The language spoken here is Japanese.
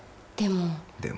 でも。